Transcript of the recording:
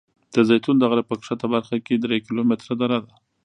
د زیتون د غره په ښکته برخه کې درې کیلومتره دره ده.